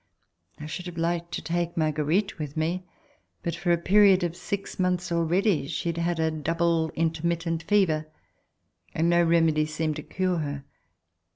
I should have liked to take Marguerite with me, but for a period of six months already she had had a double intermittent fever, and no remedy seemed to cure her.